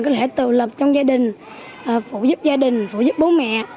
có thể tự lập trong gia đình phụ giúp gia đình phụ giúp bố mẹ